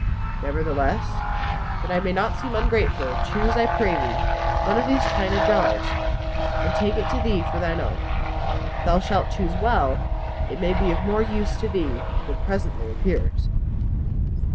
Nevertheless, that I may not seem ungrateful, choose, I pray thee, one of these china jars; and take it to thee for thine own. If thou shalt choose well, it may be of more use to thee than presently appears."